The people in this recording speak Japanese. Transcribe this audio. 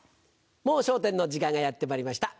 『もう笑点』の時間がやってまいりました。